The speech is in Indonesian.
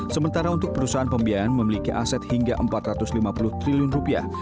sementara untuk perusahaan pembiayaan memiliki aset hingga empat ratus lima puluh triliun rupiah